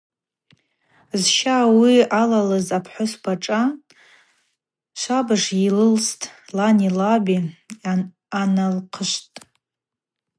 Зща ауи алалыз апхӏвыспа шӏа швабыж йлылстӏ лани лаби анылхъышвтӏ.